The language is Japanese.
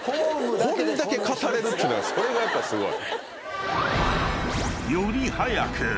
こんだけ語れるっていうのがそれがやっぱすごい。